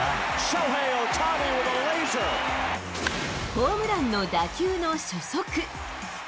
ホームランの打球の初速。